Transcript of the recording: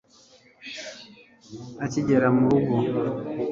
akigera mu rugo